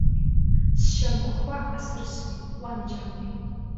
Сшьамхқәа асырсуеит, уанаџьалбеит!